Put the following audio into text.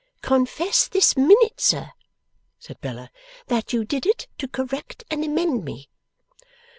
'Confess this minute, sir,' said Bella, 'that you did it to correct and amend me!